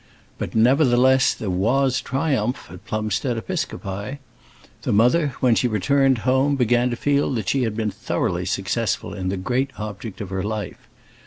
But nevertheless there was triumph at Plumstead Episcopi. The mother, when she returned home, began to feel that she had been thoroughly successful in the great object of her life.